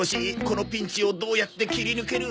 このピンチをどうやって切り抜ける？